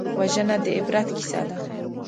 وژنه د عبرت کیسه ده